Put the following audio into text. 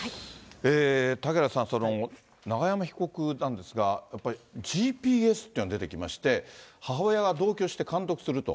嵩原さん、永山被告なんですが、やっぱりＧＰＳっていうのが出てきまして、母親が同居して監督すると。